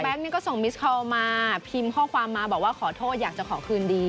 นี่ก็ส่งมิสคอลมาพิมพ์ข้อความมาบอกว่าขอโทษอยากจะขอคืนดี